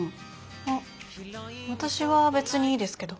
あ私は別にいいですけど。